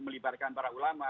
melibarkan para ulama